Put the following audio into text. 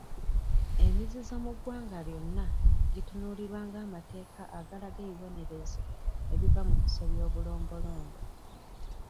Emizizo mu ggwanga lyonna gitunuulirwa ng'amateeka agalaga ebibonerezo ebiva mu kusobya obulombolombo.